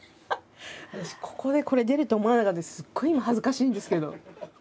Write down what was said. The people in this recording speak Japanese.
私ここでこれ出ると思わなかったのですごい今恥ずかしいんですけど。